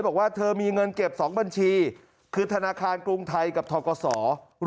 บอกว่าเธอมีเงินเก็บ๒บัญชีคือธนาคารกรุงไทยกับทกศ